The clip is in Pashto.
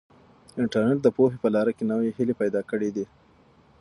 انټرنیټ د پوهې په لاره کې نوې هیلې پیدا کړي دي.